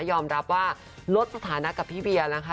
ยอมรับว่าลดสถานะกับพี่เวียนะคะ